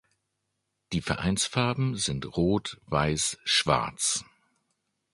Die Vereinsfarben sind rot-weiß-schwarz.